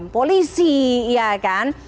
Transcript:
polisi ya kan